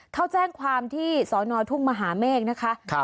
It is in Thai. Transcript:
เขาแจ้งความที่สอนอทุ่งมหาเมฆนะคะ